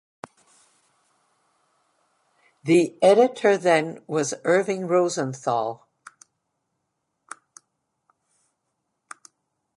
The editor then was Irving Rosenthal.